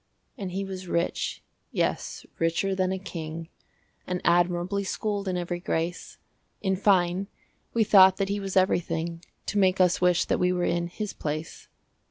And he was rich, yes, richer than a king, And admirably schooled in every grace: In fine, we thought that he was everything To make us wish that we were in his place.